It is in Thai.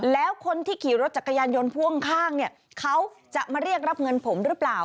แล้วคนที่ขี่รถจักรยานยนต์พ่วงข้างเนี่ยเขาจะมาเรียกรับเงินผมหรือเปล่า